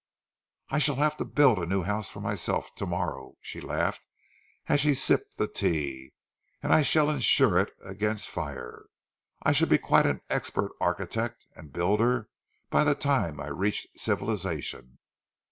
"I shall have to build a new house for myself, tomorrow," she laughed as she sipped the tea. "And I shall insure it against fire. I shall be quite an expert architect and builder by the time I reach civilization."